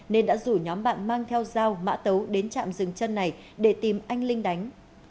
nên đã rủ nhóm bạn mang theo dao mã tấu đến trạm rừng chân này để tìm anh linh đánh